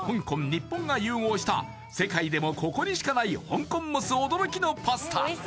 日本が融合した世界でもここにしかない香港モス驚きのパスタ